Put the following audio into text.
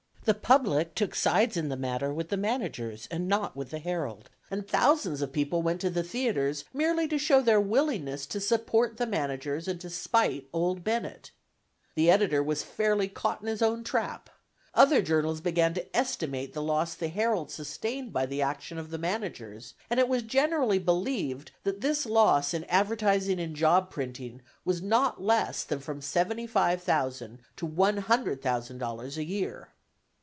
The public took sides in the matter with the managers and against the Herald, and thousands of people went to the theatres merely to show their willingness to support the managers and to spite "Old Bennett." The editor was fairly caught in his own trap; other journals began to estimate the loss the Herald sustained by the action of the managers, and it was generally believed that this loss in advertising and job printing was not less than from $75,000 to $100,000 a year.